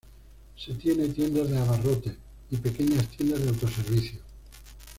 Se tiene tiendas de abarrotes y pequeñas tiendas de autoservicio.